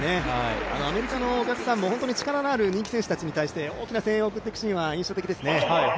アメリカのお客さんも力のある人気選手に対して大きな声援を送っていくシーンは印象的ですね。